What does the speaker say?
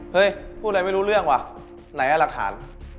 เฮ้ยพูดอะไรไม่รู้เรื่องวะไหนละรักฐาน